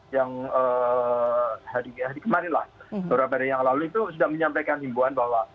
yang hari kemarilah beberapa hari yang lalu itu sudah menyampaikan himbuan bahwa